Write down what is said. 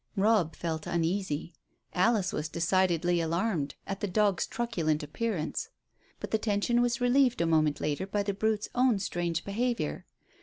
Robb felt uneasy. Alice was decidedly alarmed at the dog's truculent appearance. But the tension was relieved a moment later by the brute's own strange behaviour.